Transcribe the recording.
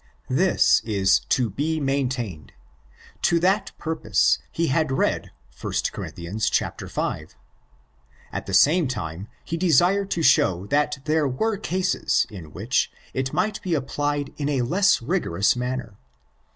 This 18 to be maintained: to that purpose he had read 1 Cor. v. At the same time, he desired to show that there were cases in which it might be applied in a less rigorous manner.